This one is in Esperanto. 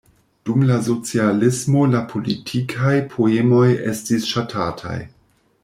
Dum la socialismo la politikaj poemoj estis ŝatataj.